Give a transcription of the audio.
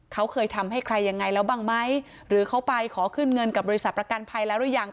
เขาเคยทำให้ใครยังไงแล้วบ้างไหมหรือเขาไปขอขึ้นเงินกับบริษัทประกันภัยแล้วหรือยัง